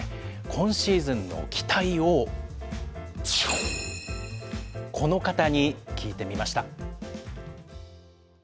今シーズンの期待をこの方に聞いてみました。